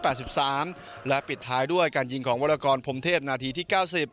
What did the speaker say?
และปิดท้ายด้วยการยิงของวรกรพรมเทพนาทีที่เก้าสิบ